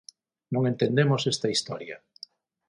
Non entendemos esta historia.